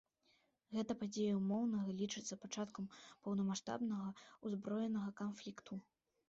Гэта падзея ўмоўна лічыцца пачаткам поўнамаштабнага ўзброенага канфлікту.